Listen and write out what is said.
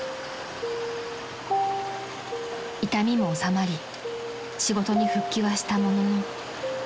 ［痛みも治まり仕事に復帰はしたものの］